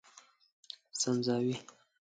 سنځاوي